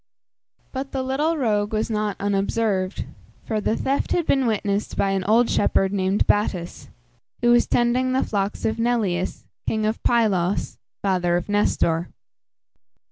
But the little rogue was not unobserved, for the theft had been witnessed by an old shepherd named Battus, who was tending the flocks of Neleus, king of Pylos (father of Nestor).